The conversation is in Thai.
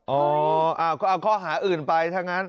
อ๋อก็เอาข้อหาอื่นไปถ้างั้น